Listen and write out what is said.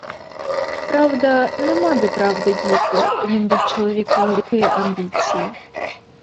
Правда, нема де правди діти, він був чоловік великої амбіції.